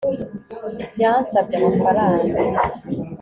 Yansabye amafaranga